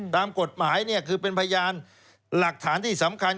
ตามกฎหมายเนี่ยคือเป็นพยานหลักฐานที่สำคัญ